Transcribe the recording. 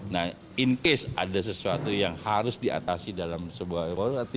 nah in case ada sesuatu yang harus diatasi dalam sebuah evaluasi